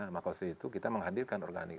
maka setelah itu kita menghadirkan organik